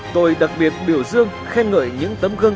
tôi đặc biệt biểu dương khen ngợi những tấm gương